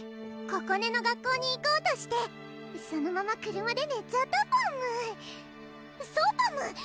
ここねの学校に行こうとしてそのまま車でねちゃったパムそうパム！